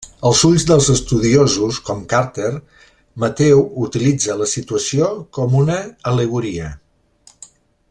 Als ulls dels estudiosos, com Carter, Mateu utilitza la situació com una al·legoria.